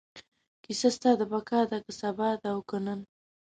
کیسه ستا د بقا ده، که سبا ده او که نن